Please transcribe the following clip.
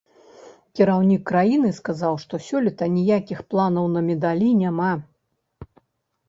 Кіраўнік краіны сказаў, што сёлета ніякіх планаў на медалі няма.